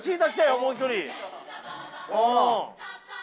もう一人。